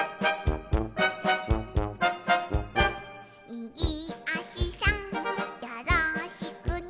「みぎあしさんよろしくね」